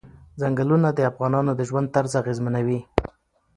چنګلونه د افغانانو د ژوند طرز اغېزمنوي.